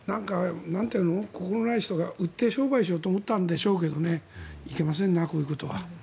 心ない人が売って商売しようと思ったんでしょうけどねいけませんね、こういうことは。